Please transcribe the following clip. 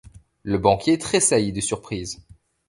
Le banquier tressaillit de surprise.